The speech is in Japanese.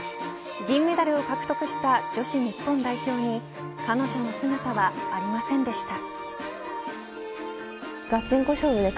銀メダルを獲得した女子日本代表に彼女の姿はありませんでした。